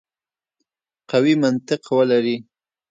قوي منطق ولري.